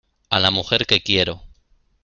a la mujer que quiero.